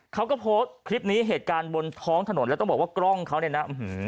เขาก็โพสต์คลิปนี้เหตุการณ์บนท้องถนนแล้วต้องบอกว่ากล้องเขาเนี่ยนะ